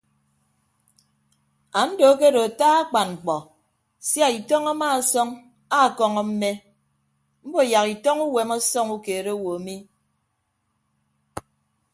Ando akedo ata akpan mkpọ sia itọñ amaasọñ akọñọ mme mbo yak itọñ uwem ọsọñ ukeed owo mi.